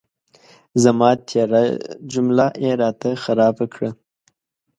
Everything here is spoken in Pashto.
زما تېره جمله یې را ته خرابه کړه.